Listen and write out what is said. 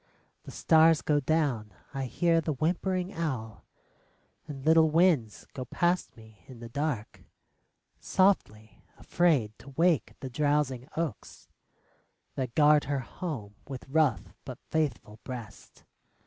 ... The stars go down. I hear the whimpering owl, And little winds go past me in the dark, Softly, afraid to wake the drowsing oaks That guard her home with rough but faithful breasts.